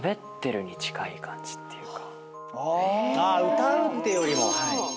歌うってよりも。